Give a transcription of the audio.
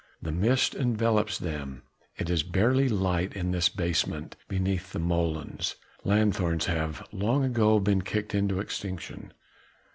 The mist envelops them, it is barely light in this basement beneath the molens: lanthorns have long ago been kicked into extinction.